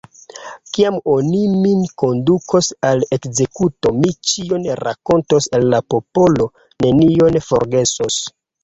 Kiam oni min kondukos al ekzekuto, mi ĉion rakontos al la popolo, nenion forgesos.